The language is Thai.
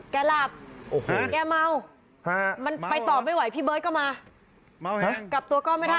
แกหลับแกเม้ามันไปต่อไม่ไหวพี่เบิ้ทก็มา